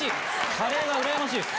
カレーがうらやましいです。